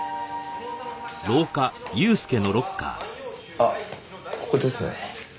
あっここですね。